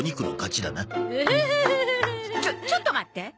ちょちょっと待って。